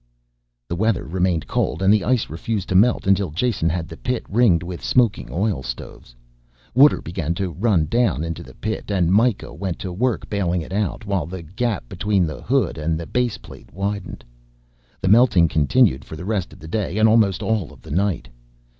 The weather remained cold and the ice refused to melt until Jason had the pit ringed with smoking oil stoves. Water began to run down into the pit and Mikah went to work bailing it out, while the gap between the hood and the baseplate widened. The melting continued for the rest of the day and almost all of the night.